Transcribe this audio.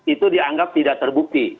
itu dianggap tidak terbukti